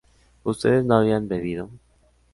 ¿Ustedes no habían bebido?